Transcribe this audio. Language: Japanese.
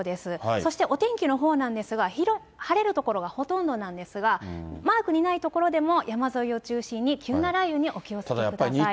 そしてお天気のほうなんですが、広く晴れる所がほとんどなんですが、マークにない所でも山沿いを中心に急な雷雨にお気をつけください。